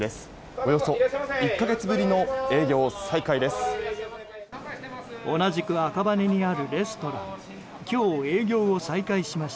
およそ１か月ぶりの営業再開です。